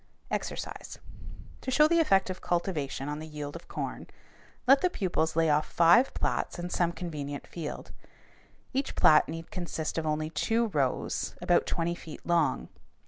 =EXERCISE= To show the effect of cultivation on the yield of corn, let the pupils lay off five plats in some convenient field. Each plat need consist of only two rows about twenty feet long.